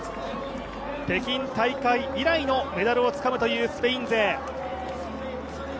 北京大会以来のメダルをつかむというスペイン勢。